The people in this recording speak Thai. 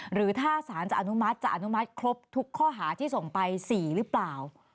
หรือถ้าสารจะอนุมัติจะอนุมัติครบทุกข้อหาที่ส่งไป๔หรือเปล่า